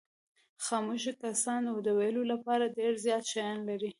خاموش کسان د ویلو لپاره ډېر زیات شیان لري.